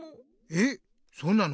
えっそうなの？